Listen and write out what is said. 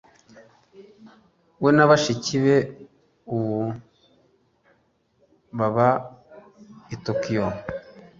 We na bashiki be ubu baba i Tokiyo.